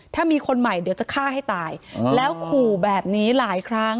ถ้ามีคนใหม่เดี๋ยวจะฆ่าให้ตายแล้วขู่แบบนี้หลายครั้ง